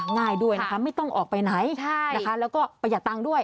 ง่ายด้วยนะคะไม่ต้องออกไปไหนนะคะแล้วก็ประหยัดตังค์ด้วย